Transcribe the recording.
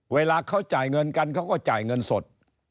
เวลาเขาจ่ายเงินกันเขาก็จ่ายเงินสด